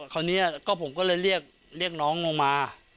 คราวนี้ผมก็เลยเรียกน้องลงมา